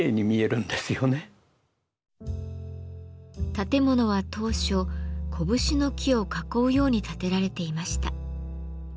建物は当初コブシの木を囲うように建てられていました。